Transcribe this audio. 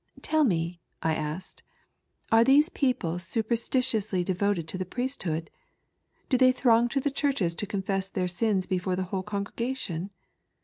" Tell me," I asked, " are these people super stitiously devoted to the priesthood ? Do they throng to the churches to confess their sins before the whole congregation